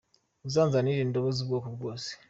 Unzanire indobo zubwoko bwose.